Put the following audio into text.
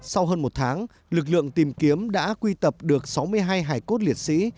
sau hơn một tháng lực lượng tìm kiếm đã quy tập được sáu mươi hai hải cốt liệt sĩ